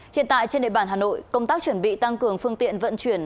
hiện tại trên địa bàn hà nội công tác chuẩn bị tăng cường phương tiện vận chuyển